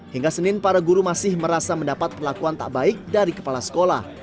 hingga senin para guru masih merasa mendapat perlakuan tak baik dari kepala sekolah